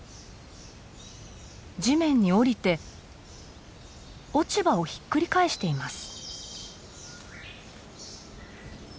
地面に降りて落ち葉をひっくり返しています。